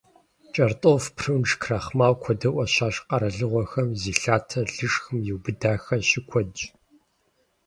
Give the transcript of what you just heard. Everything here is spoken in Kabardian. КӀэртӀоф, прунж, крахмал куэдыӀуэ щашх къэралыгъуэхэм зи лъатэр лышхым иубыдахэр щыкуэдщ.